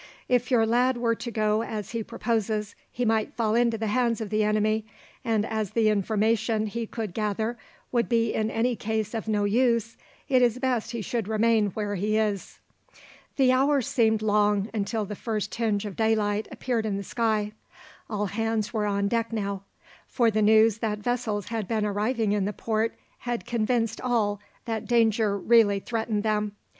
If your lad were to go as he proposes he might fall into the hands of the enemy, and as the information he could gather would be in any case of no use, it is best he should remain where he is." The hours seemed long until the first tinge of daylight appeared in the sky. All hands were on deck now, for the news that vessels had been arriving in the port had convinced all that danger really threatened them.